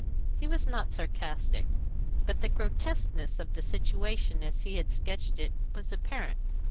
He was not sarcastic, but the grotesqueness of the situation as he had sketched it was apparent.